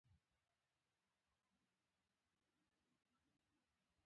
تشناب ته ورغلم او امیلیو ته مې وویل غوټې دغه دي.